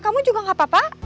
kamu juga gak apa apa